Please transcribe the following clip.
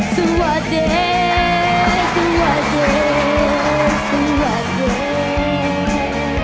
สวัสดีสวัสดีสวัสดี